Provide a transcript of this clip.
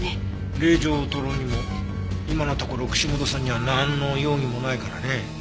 令状を取ろうにも今のところ串本さんにはなんの容疑もないからね。